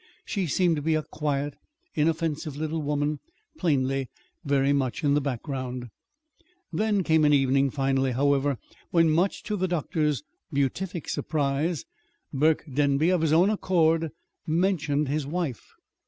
She seemed to be a quiet, inoffensive little woman, plainly very much in the background. There came an evening finally, however, when, much to the doctor's beatific surprise, Burke Denby, of his own accord, mentioned his wife.